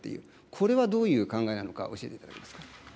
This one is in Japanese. これはどういう考えなのか、教えていただけますか。